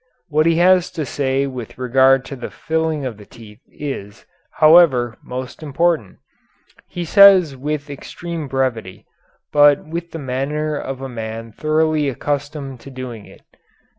What he has to say with regard to the filling of the teeth is, however, most important. He says it with extreme brevity, but with the manner of a man thoroughly accustomed to doing it.